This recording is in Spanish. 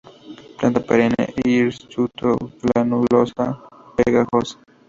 Planta perenne, hirsuto-glanulosa, pegajosa.